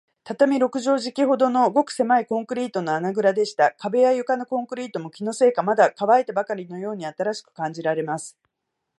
畳六畳敷きほどの、ごくせまいコンクリートの穴ぐらでした。壁や床のコンクリートも、気のせいか、まだかわいたばかりのように新しく感じられます。